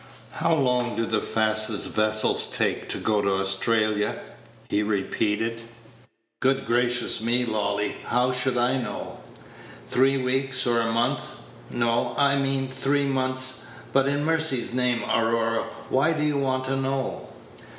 "How long do the fastest vessels take to go to Australia?" he repeated. "Good gracious me, Lolly, how should I know? Three weeks or a month no, I mean three months; but, in mercy's name, Aurora, why do you want to know?"